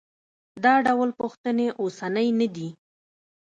دا ډول پوښتنې اوسنۍ نه دي.